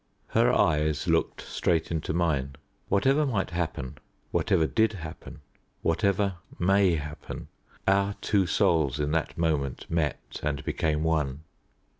Her eyes looked straight into mine. Whatever might happen, whatever did happen, whatever may happen, our two souls in that moment met, and became one.